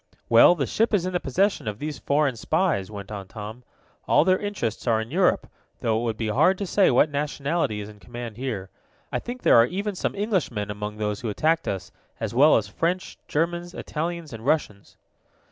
"Well, the ship is in the possession of these foreign spies," went on Tom. "All their interests are in Europe, though it would be hard to say what nationality is in command here. I think there are even some Englishmen among those who attacked us, as well as French, Germans, Italians and Russians."